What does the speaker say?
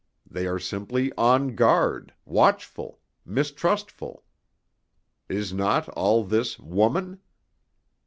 They are simply on guard, watchful, mistrustful. Is not all this woman?"